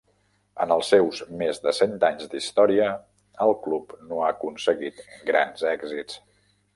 En els seus més de cent anys d'història, el club no ha aconseguit grans èxits.